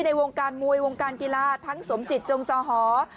ในวงการมวยวงการกีฬาทั้งสมจิตจงจอหอ